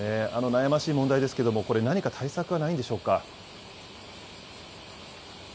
悩ましい問題ですけれども、これ、何か対策はないんでしょうか。